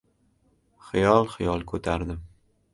Xiyol-xiyol ko‘tardim.